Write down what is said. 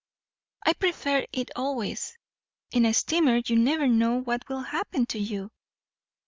"I prefer it always. In a steamer you never know what will happen to you.